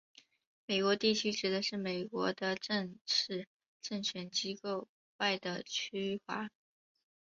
美国地区指的美国的正式政权机构外的区划。